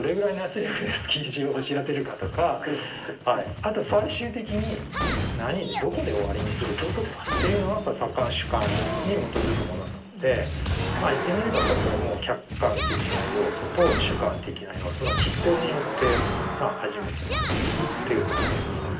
あと最終的に何でどこで終わりにするかっていうのはやっぱ作家の主観に基づくものなので言ってみればやっぱこれも客観的な要素と主観的な要素のきっ抗によって初めて生まれているっていうことなんですね。